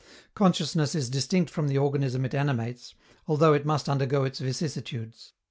Consciousness is distinct from the organism it animates, although it must undergo its vicissitudes.